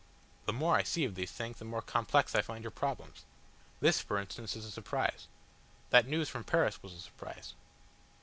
"The more I see of these things the more complex I find your problems. This, for instance, is a surprise. That news from Paris was a surprise."